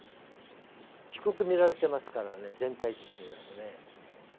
低く見られてますからね全体値としてですね。